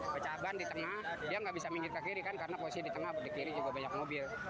pecah ban di tengah dia nggak bisa minggir ke kiri kan karena posisi di tengah di kiri juga banyak mobil